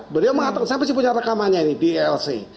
beliau mengatakan saya masih punya rekamannya ini di lc